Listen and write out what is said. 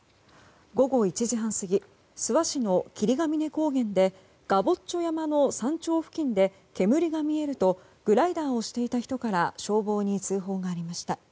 午後１時半過ぎ諏訪市の霧ヶ峰高原でガボッチョ山の山頂付近で煙が見えるとグライダーをしていた人から消防に通報がありました。